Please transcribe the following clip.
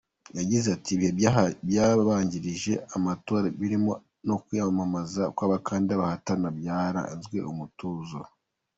Yagize ati “Ibihe byabanjirije amatora birimo no kwiyamamaza kw’abakandida bahatanaga byaranzwe n’umutuzo.